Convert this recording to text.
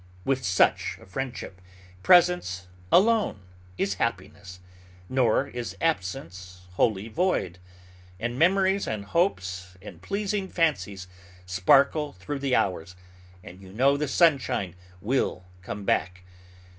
With such a friendship, presence alone is happiness; nor is absence wholly void, for memories, and hopes, and pleasing fancies, sparkle through the hours, and you know the sunshine will come back.